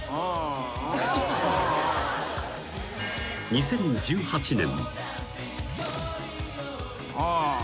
［２０１８年］